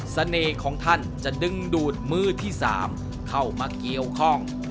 เสน่ห์ของท่านจะดึงดูดมือที่๓เข้ามาเกี่ยวข้อง